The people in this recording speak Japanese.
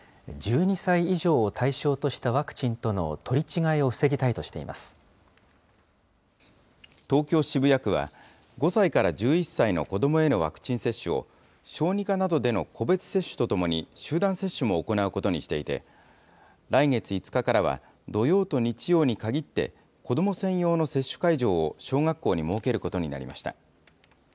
１２歳以上を対象としたワクチンとの取り違えを防ぎたいとしてい東京・渋谷区は、５歳から１１歳の子どもへのワクチン接種を、小児科などでの個別接種とともに集団接種も行うことにしていて、来月５日からは、土曜と日曜に限って子ども専用の接種会場を小学校に設けることになりました。